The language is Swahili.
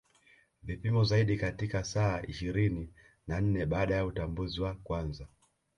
Vipimo zaidi katika saa ishirini na nne baada ya utambuzi wa kwanza